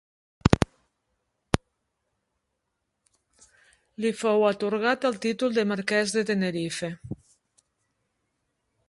Li fou atorgat el títol de Marquès de Tenerife.